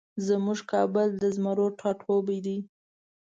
زمونږ کابل د زمرو ټاټوبی دی